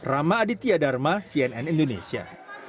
rama aditya dharma cnn indonesia